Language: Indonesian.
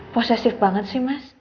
posesif banget sih mas